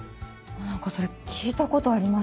何かそれ聞いたことあります。